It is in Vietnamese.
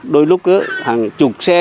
đôi lúc hàng chục xe